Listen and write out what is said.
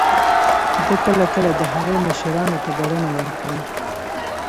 ده کله کله د هغوی مشرانو ته بلنه ورکړه.